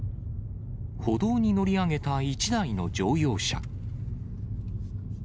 歩道に乗り上げた１台の乗用車。